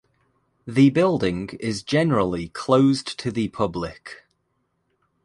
The building is generally closed to the public.